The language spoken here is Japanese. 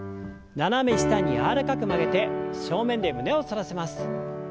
斜め下に柔らかく曲げて正面で胸を反らせます。